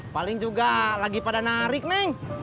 paling juga lagi pada narik nih